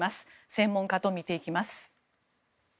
専門家と見ていきます。